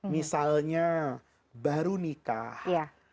misalnya baru nikah